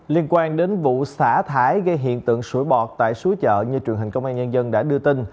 liên quan đến vụ xả thải gây hiện tượng sủi bọt tại suối chợ như truyền hình công an nhân dân đã đưa tin